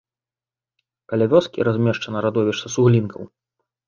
Каля вёскі размешчана радовішча суглінкаў.